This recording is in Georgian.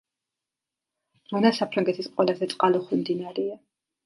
რონა საფრანგეთის ყველაზე წყალუხვი მდინარეა.